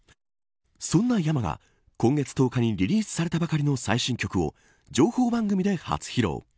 そんなｙａｍａが今月１０日にリリースされたばかりの最新曲を情報番組で初披露。